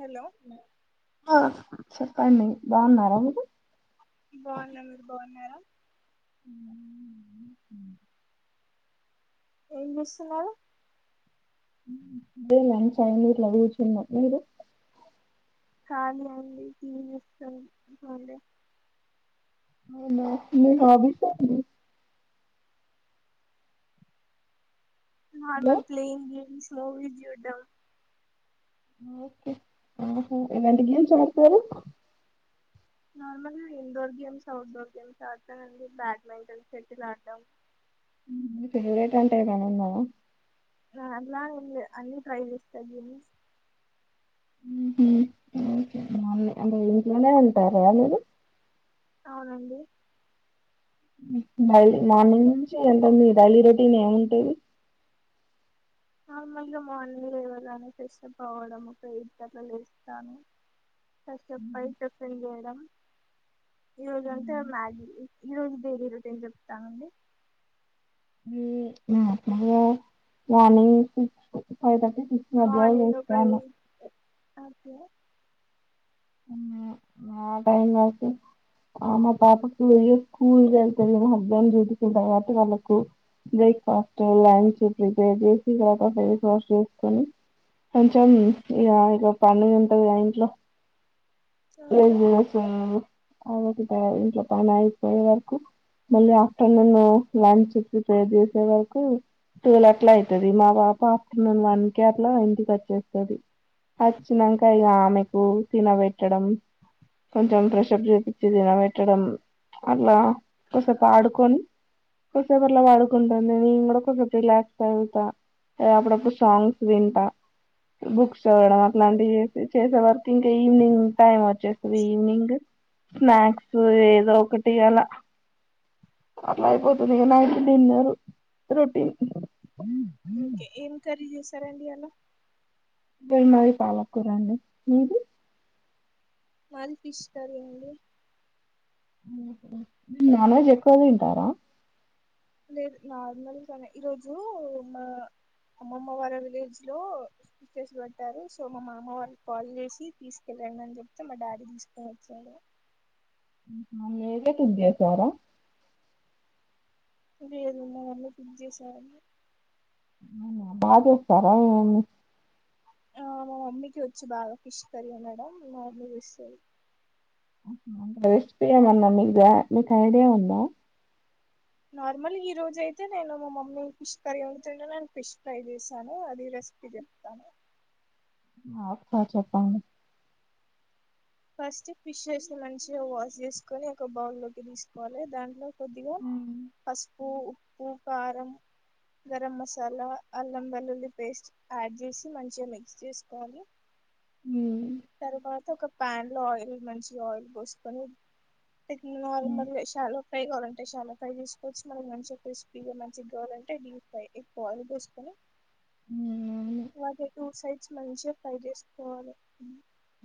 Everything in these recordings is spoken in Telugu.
హలో ఆ చెప్పండి బాగున్నారా మీరు బాగున్న మీరు బాగున్నారా ఉ [inaudible] ఏమిజేస్తున్నారు అదే లంచ్ అయ్యింది ఇట్ల కూర్చున్నా మీరు కాళీ అండి దవనస్తం అంటే వునా నహవిసడి hello normal playing games movie చూడ్డం ఓహ ఎలాంటి గేమ్స్ ఆడతారు నార్మల్గా ఇండోర్ గేమ్స్ అవుట్డోర్ గేమ్స్ ఆడతానండి బ్యాడ్మింటన్ సెటిల్ ఆడటం ఫేవరేట్ అంటే ఏమన్నా ఉందా అలా అన్ని ట్రై చేస్తారు జీనిస్ అంటే ఇంట్లోనే ఉంటారా మీరు అవునండి డైలీ మార్నింగ్ నుంచి ఎంతంది డైలీ రొటీన్ ఏముంటాది నార్మల్గా మ అందర ఏవజనా ఫెస్ప్ అవ్వడం ఒక ఇట్ట్ల లేస్తాను ఫెస్ప్ అయి టిఫన్ చేయడం ఈరోజు అంటే మ్యాగీ ఈరోజు బేర రొటీని చెప్తానండి ని ఫైత ష్ మధ మార్నింగ్ ఒక వష్టను ఎయిట్ ఓకే ఉను ఆ టైం కాస మా పాపకు వెయ స్కూల్ వెళ్తుంది మా హస్బెండ్ చూసుకుంటారు కాబట్టి వాళ్ళకు బ్రేక్ఫాస్ట్ లంచ్ ప్రిపేర్ చేసి తక ఫేస్ వాష్ చేసుకొని కొంచెం ఇక ఇక పడు ఉంటంది ఆ ఇంట్లో సరే లే సట ఇంట్లో పని అయిపోయే వరకు మళ్ళీ ఆఫ్టర్నూన్ లంచ్ ప్రిపేర్ చేసే వరకు టూల అట్లా అవుతుంది మా పాప ఆఫ్టర్నూన్ వన్ కే అట్లా ఇంటికి వచ్చేస్తుంది వచ్చినాక ఇ ఆమెకు తినబెట్టడం కొంచెం ప్ర్రెషప్ చేయిచ్చి తినబట్టడం అట్లా ఒకసేపు ఆడుకొని కొసేపు అట్లా వాడుకుంటా నే కూడా కొసేపు రిలాక్స్ అయితా అప్పుడప్పుడు సాంగ్స్ వింటా బుక్స్ చడం ఓకే అట్లాంటివి చేసే వరకు ఇంకా ఈవవినింగ్ టైమ్ ఈవినింగ్ స్నాక్స్ ఏదో ఒకటి అలా అట్లా అయిపోతుంది ఇక నైట్ డిన్నర్ రొటీన్ ఓకే ఏం కర్రి చేసారు సరేడియాల ఇద్దడు మది పాలకుూరండి మీది మది ఫిష్ కర్రీ అండి నాన్వెజ్ ఎక్కువ తింటారా లేదు నార్మల్గానే ఈరోజు మా అమ్మమ్మ వారి విలేజ్ లో స్చర్స్ పెట్టారు సో మా అమ్మ వారికి కాల్ చేసి తీసుకెళ్ళడి అని చెప్తే మా డాడీ తీసుకొని వచ్చాడు నదేతు ఉంది చారా లేదు మా మమ్మీ కుక్ చేశారు బా చేస్తారా ఆ మా మమ్మీకి వచ్చి బాగా ఫిష్ కర్రీ మేడం నా అ తీస్తది రెస్పీ ఏమన్నా మీకు మీ ఐడియా ఉన్నా నార్మల్ ఈ రోజ అయితే నేను మా మమ్మీ ఫిష్ కర్రీ ఉంటతుంటే నేను ఫిష్ ఫ్రై చేశాను అది రెసిపీ చెప్తాను ఆక్కా చెప్పండి ఫస్ట్ ఫిష్ చేస్త మంచిగా వాష్ చేసుకొని ఒక బౌల్ లోకి తీసుకోవాలి దాంట్లో కోదిగా పస్ ఉప్పు ఉప్పు కారం గరం మసాలా అల్లం వెల్లుల్లి పేస్ట్ యాడ్ చేసి మంచిగా మిక్స్ చేసుకోవాలి తరువాత ఒక ప్యాన్ లో ఆయిల్ మంచి ఆయిల్ పోసుకొని నార్మల్షాలు ఫ్రై కావాలంటే చాలా ఫ్రై చేసుకోవచ్చు మనకి మంచిగా క్రిస్పీగా మంచిగా కావాలంటే డీప్ ఫ్రై ఎక్కువాల పోసుకొని వాగే టూ సైడ్ మంచిగా ఫై చేసుకోవాలి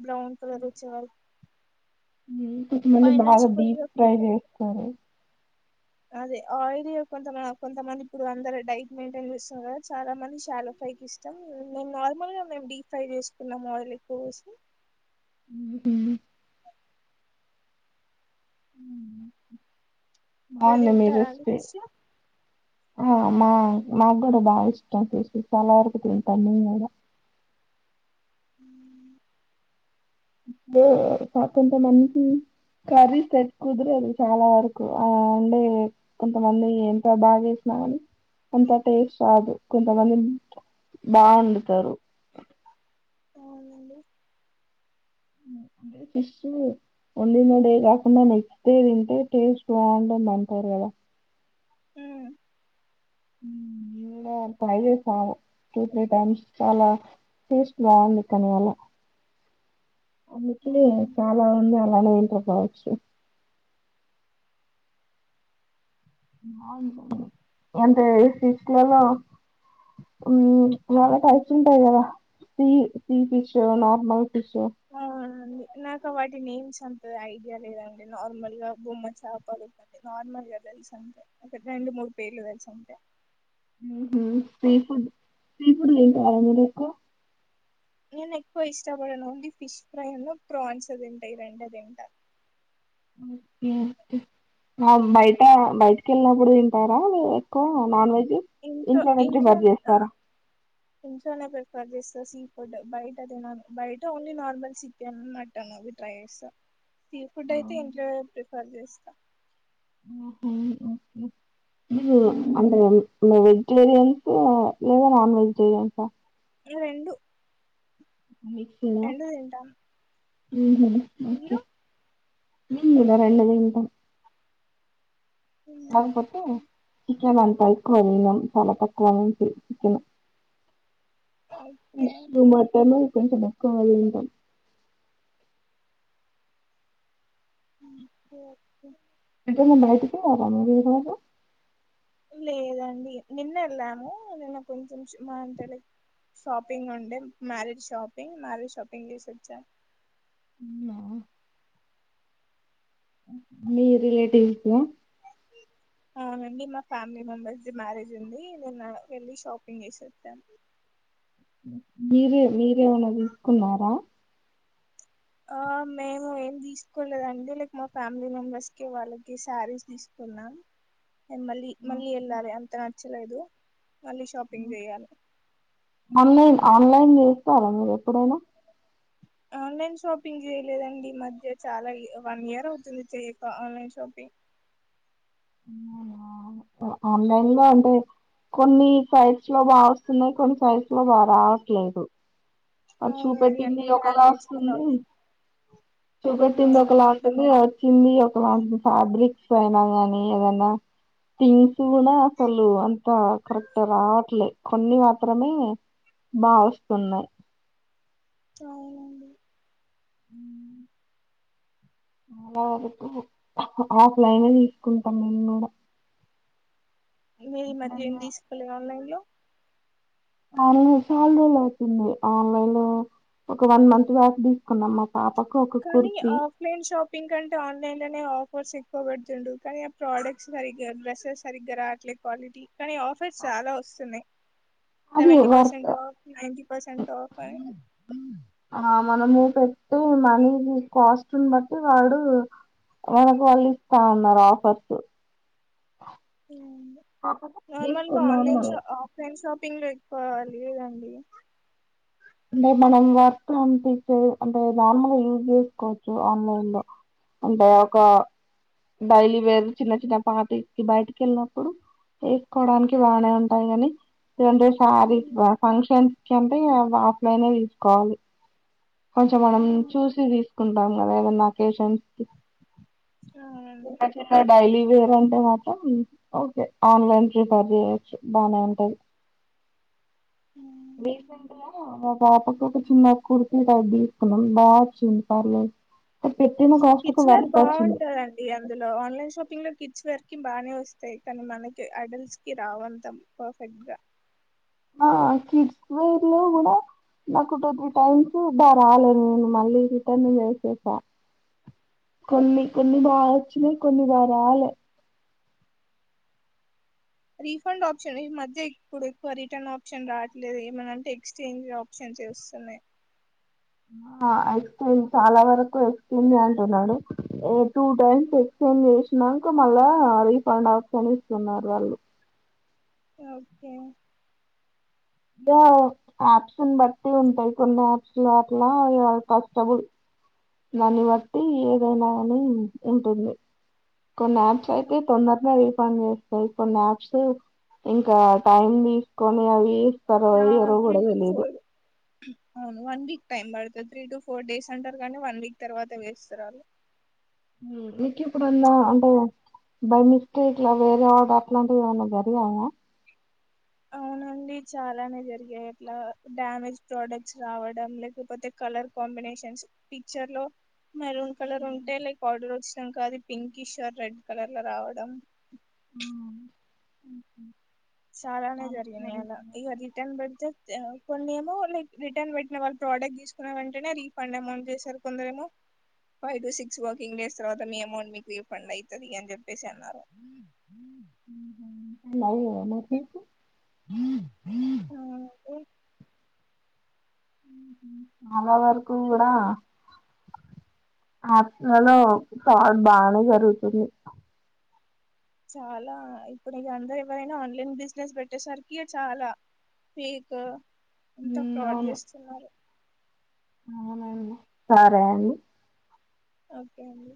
బ్రాౌన్ కలర్చ్చల్ అ మళ్ళీ బాగా డీప్ కొద్దిగా ఫ్రై చేస్తారు అదే ఆయిల్ కొంత కొంతమంది ఇప్పుడు అందరు డైట్ మెయింటైన్ చేస్తాం కదా చాలా మంది శాలలో ఫ్రై క ఇష్టాం మేము నార్మల్గా మేము డీప్ ఫ్రై చేసుకున్నాం ఆయిల్ ఎక్కువ వసి మీరు నన్న తింటారా అండి మీదస్తే ఫిష్ ఆ మా మాగ కూడా బాగా ఇష్టం చసి చాలా వరకు తింటాను నే కూడా హ ఇప్పుడు కొంతమంది కర్రీ సట్ కుదరేది చాలా వరకు ఆ ఉండే కొంతమంది ఎంత బాగా చేసినామని అంత టేస్ట్ రాదు కొంతమంది బా వండుతారు అవునండి అంటే ఫిష్ వడిన్న డే కాకుండా నెక్స్ట్ డే తింటే టేస్ట్ బాగుంటంది అంటారు కదా హమ్ ట్రై చేసాము టూ త్రీ టైమ్స్ చాలా టేస్ట్ బాగుంది కానీ అలా అందుకే అవునండి చాలా ఉంది అలానే వింట పోవచ్చు అంటే ఫిష్లలో చాలా టైస్ ఉంటాయి కదా sea sea fish normal fish అవునండి నాకు వాటి నేమ్స్ అంతది ఐడియా లేదండి నార్మల్ గా బొమ్మ చాపలుతుంది నార్మల్ గా తెలిసి అంటే అ రెండు మూడు పేర్లు తెలుసింటే సీ ఫుడ్ సీ ఫుడ్ం కాాల మీ లేకు నను ఎక్కువ ఇష్టపడడంంది ఫిష్ ఫ్రై ప్రోన్స్ అదింట ఈ రండ అదింట బయట బయటికి వెళ్ళినప్పుడు తింటారా ఎక్కువ నాన్ వెజ్ ఇంట్లో ఇంట్లోనేద ఇంట్లో బర్ ఆ చేస్తారా ఇంట్లోనే ప్రిఫర్ చేస్తా సీ ఫుడ్ బయట అద బయట ఓన్లీ నార్మల్ చికెన్ మటన్ అవి ట్రై చేస్తా సీ ఫుడ్ ఓహో, అయితే ఇంట్లోనే ప్రిఫర్ చేస్తా అంటే వెజిటేరియన్స్ లేదా నాన్ వెజిటేరియన్సా రెండు ఎండ తంటా హమ్ మీరు మీ ఇలో రెండదింంట కాపోతే చక మ కైక్వళం తల పక్వాలం ఓకే చపను మటను కొంత నొఖ వాంట చ్చే బైటకి రా లేదండి నిన్న వెళ్ళాము నేను కొంచెం మా ఇంతటి షాపింగ్ ఉండే మ్యారేడ్ షాపింగ్ మ్యారేడ్ షాపింగ్ చేసిచ్చాను అవునా? మీ రిలేటివ్స్ అవునండి మా ఫ్యామిలీ మెంబెర్స్ మ్యారేజ్ ఉంది నేను వెళ్ళి షాపింగ్ చేస వస్తాను మీరే మీరేమన్నా తీసుకున్నారా ఆ మేము ఏం తీసుకోలేదండి లైక్ మా ఫ్యామిలీ మెంబర్స్ కి వాళ్ళకి శారీస్ తీసుకున్నాం మళ్ళ మళ్ళీ వెల్ల ఆమె నచ్చలేదు మళ్ళీ షాపింగ్ చేయాలి ఆన్లైన్ ఆన్లైన్ చేస్తారా మీరు ఎప్పుడైనా ఆన్లైన్ షాపింగ్ చేయలేదండి ఈ మధ్య చాలా వన్ ఇయర్ అవుతుంది చెయక ఆన్లైన్ షాపింగ్ ఆన్లైన్ గా అంటే కొన్ని ఫై లో బాగా వస్తున్నాయి కొన్ని సైజు లో బాగా రావట్లేదు అవునండి చూపెట్టింది అన్ని ఒకలా డామేజ్ వస్తుంది చూపెట్టింది అవునండి ఒకలాంటంది వచ్చింది ఒకలాంటంది ఫ్యాబ్రిక్ పోైనా కాని ఏదన్నా జీన్స్ కూడా అసలు అంత కరెక్ట్ రావట్లేదు కొన్ని మాత్రమే బా వస్తున్నాయి అ ఉ అలా వరకు ఆఫ్లైన్ తీసుకుంటాం మేము కూడా మీ ఈ మధ్య ఏం ఎప్పుడన్నా తీసుకోలేదా ఆన్ల సాలరీలు అవుతుంది ఆన్లైన్ లో ఒక వన్ మంత్ బ్యాక్ తీసుకున్నాం పాపకు ఒక కానీ కుర్తి ఆఫ్లైన్ షాపింగ్ కంటే ఆన్లైన్ లోనే ఆఫ్ ఫర్స్ ఎక్కువ పెడుతుండు కానీ ఆ ప్రోడక్ట్స్ సరిగ్గా డ్రస్సెస్ సరిగ్గా రావట్లే క్వాలిటీ కానీ ఆఫర్స్ చాలా వస్తున్నాయి్ అది సెవెంటీ వర్త్ పసెట్ఫ్ ఆఫ్ నిన్నటి పర్సెంట్ ఆఫ్ ఆ మనము పెట్టి మనీ కాస్ట్ బట్టి వాడు మనకు వాళ్ళు ఇస్తా ఉన్నారు ఆఫర్స్ కాకపోతే నార్మల్ తీసుకోని online normal offline shopping ఎకి పోవాలిదండి అంటే మనం వర్తి అ అంటే నార్మల్గా యూస్ చేసుకోవచ్చు ఆన్లైన్ లో అంటే ఒక డైలీవేర్ చిన్న చిన్న పార్టీ కి బయటకి వెళ్ళినప్పుడు వేసుకోవడానికి బాగా ఉంటాయి కానీ శారీ ఫంక్షన్ కి అంటే మనమే తీసుకోవాలి కొంచెం మనం చూసి తీసుకున్నాం అంటే అవునండి అక్కకు కి డైలీ లై ప్రిపర్యచ్చు బాగా ఉంటట్ పాప ఒక చిన్న కు తీర్క బాగా వచ్చింది పర్లేదు పెట్టిన కాస్ట్ కు కిడ్స్ వేర్ వర్త్ వచ్చింది బాగుంటారంండి అందులో ఆన్లైన్ షాపింగ్ లో కి కిడ్స్ వేర్కి బాగానే వస్తాయి కానీ మనకి అడల్ట్ కి రాదు అంత పర్ఫెక్ట్ గా ఆ కిడ్స్ వేర్ లో కూడా నాకు టూ త్రీ టైమ్స్ రాలేదు నేను మళ్ళీ రిటన్ చేసేసా కొన్ని కొన్ని బాగా వచ్చినా కొన్ని బాగా రాలే రీఫండ్ ఆప్షన్ ఈ మధ్య ఇప్పుడు ఎక్కువ రిటర్న్ ఆప్షన్ రావట్లేదు ఏమనంటే ఎక్చేంజ్ ఆప్షన్స్ వస్తున్నాయి ఎక్చేంజ్ చాలా వరకు ఎక్చేంజ్ అంటున్నాడు ఏ టూ టైమ్స్ ఎక్చేంజ్ చేసినాక మళ్ళా రీఫండ్ ఆప్షన్ ఇస్తున్నారు వాళ్ళు ఓకే ఇక ఆప్షన్ బట్లు ఉంటాయి కొన్ని యాప్స్ లో అట్లా కష్టబుల్ దాని వట్టి ఏదైనా అని ఉంటుంది కొన్ని యాప్స్ అయితే తొందరలో వీస్ పన్ను కొన్ని యాప్స్ ఇంకా టైమ్ తీసుకొని అవి నా తరవయి ఎవరో త్రీ గుడా టు తెలిదు ఫోర్ అవును వన్ వీక్ టైం పడుతది త్రీ టు ఫోర్ డేస్ అంటారు కానీ వన్ వీక్ తర్వాత వేస్తారు అళ్లు నికి ఇప్పుడన్నా అంటే బై మిస్టేక్లా వేరే ఆడ అట్లాంటివి ఏమన్నా జరిగాయా అవునండి చాలానే జరిగాయి అట్లా డ్యామేజ్ ప్రొడక్ట్స్ రావడం లేకపోతే కలర్ కాంబినేషన్స్ పిక్చర్ లో మెరూన్ కలర్ ఉంటే లైక్ ఆర్డర్ వచ్ ఇష్టం కాదు పింకిష్ ఆర్ రెడ్ కలర్ల రావడం చాలానే జరిగినాయి అల ఈగ రిటర్న్ బడ్జెట్ తెవు కొన్ని ఏమో లైక్ రిటర్న్ పెట్టిన వాళ్ళు ప్రోడక్ట్ తీసుకున్న వెంటేనే రీఫండ్ అమౌంట్ చేశారు కొందరు ఏమో five to six working days తర్వాత మీ అమౌంట్ మీకు రీఫండ్ అయితది అని చెప్పేసి అన్నారు లై అయ్యో న పింకు ఆ గీ చాలా వరకు కూడా ఆప్స్లలో ఫ్రాడ్ బానే జరుగుతుంది చాలా ఇప్పుడు ఇగ అందరు ఎవరైనా ఆన్లైన్ బిజినెస్ పెట్టేసరికి ఇగ చాలా పేక్ ఎంత ఉమ్ ఫ్రాడ్ అవును చేస్తున్నారు సరే అని ఓకే అండి